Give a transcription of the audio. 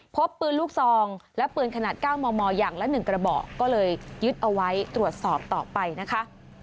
พบปืนลูกซองและปืนขนาด๙มมอย่างละ๑กระบอกก็เลยยึดเอาไว้ตรวจสอบต่อไปนะคะ